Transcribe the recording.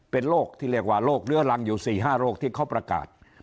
เป็นโรคที่เรียกว่าโรคเรื้อรังอยู่๔๕โรคที่เขาประกาศ